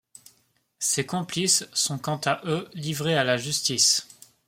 Ses complices sont quant à eux livrés à la justice.